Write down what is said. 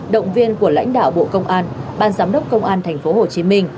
động viên của lãnh đạo bộ công an ban giám đốc công an tp hcm